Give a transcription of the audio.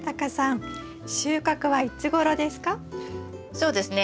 そうですね